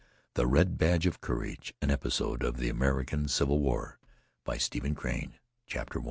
The Red Badge of Courage An Episode of the American Civil War by Stephen Crane CHAPTER I.